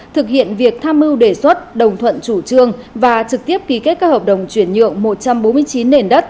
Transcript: thực hiện việc tham mưu đề xuất đồng thuận chủ trương và trực tiếp ký kết các hợp đồng chuyển nhượng một trăm bốn mươi chín nền đất